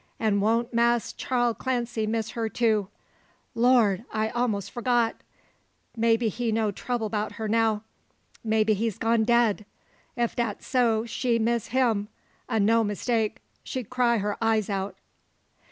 An' won't Mass Charl Clancy miss her too! Lor! I most forgot; maybe he no trouble 'bout her now; maybe he's gone dead! Ef dat so, she miss him, a no mistake. She cry her eyes out."